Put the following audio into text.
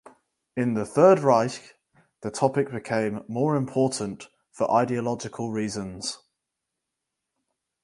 In the Third Reich the topic became more important for ideological reasons.